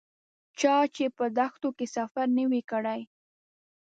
چا چې په دښتونو کې سفر نه وي کړی.